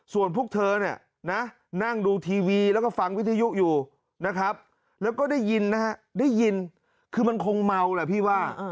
ส่วนพวกเธอนั่งดูทีวีแล้วก็ฟังวิทยุคอยู่นะครับแล้วก็ได้ยินเครื่องมัวแล้วพี่บ้า